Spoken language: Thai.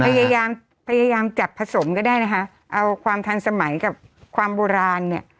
พยายามพยายามจับผสมก็ได้นะคะเอาความทันสมัยกับความโบราณเนี่ย